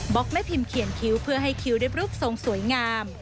แม่พิมพ์เขียนคิ้วเพื่อให้คิ้วได้รูปทรงสวยงาม